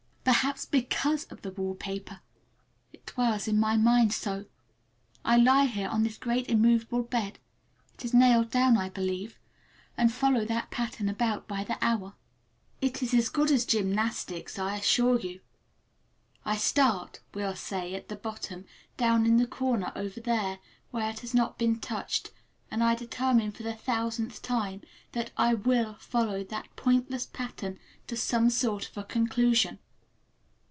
Perhaps because of the wallpaper. It dwells in my mind so! I lie here on this great immovable bed—it is nailed down, I believe—and follow that pattern about by the hour. It is as good as gymnastics, I assure you. I start, we'll say, at the bottom, down in the corner over there where it has not been touched, and I determine for the thousandth time that I will follow that pointless pattern to some sort of a conclusion.